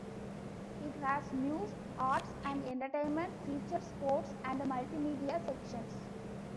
It has news, arts and entertainment, features, sports and multimedia sections.